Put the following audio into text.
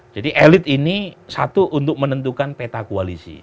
jadi elit ini satu untuk menentukan peta koalisi